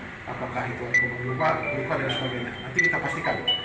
apakah itu penyelidikan dan sebagainya nanti kita pastikan